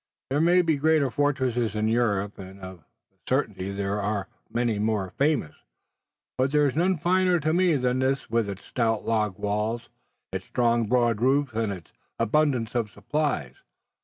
There may be greater fortresses in Europe, and of a certainty there are many more famous, but there is none finer to me than this with its' stout log walls, its strong, broad roofs, and its abundance of supplies.